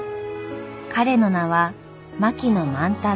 彼の名は槙野万太郎。